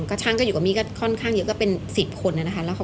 ก็ช่างก็อยู่กับมี่ก็ค่อนข้างเยอะก็เป็น๑๐คนนะคะ